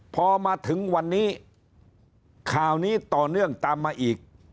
พอมาถึงวันนี้ข่าวนี้ต่อเนื่องตามมาอีก